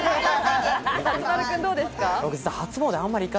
松丸君どうですか？